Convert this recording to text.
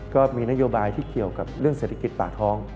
ก็มีนโยบายที่เกี่ยวกับเรื่องเศรษฐกิจป่าท้อง